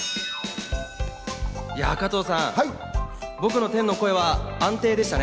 加藤さん、僕の天の声は安定でしたね。